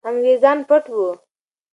انګریزان پټ وو.